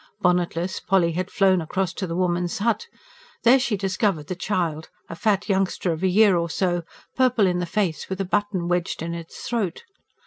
Bonnetless, Polly had flown across to the woman's hut. There she discovered the child, a fat youngster of a year or so, purple in the face, with a button wedged in its throat.